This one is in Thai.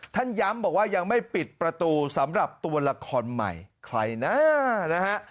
ท่านย้ำบอกว่ายังไม่ปิดประตูสำหรับตัวละครใหม่ใครนะนะฮะ